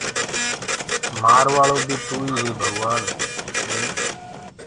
مآروآݪو بيٚ توئيٚ هي ڀگوآن ائين